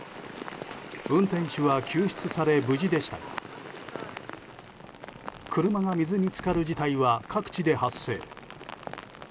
運転手は救出され無事でしたが車が水に浸かる事態は各地で発生。